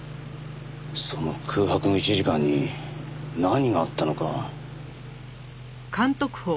その空白の１時間に何があったのか。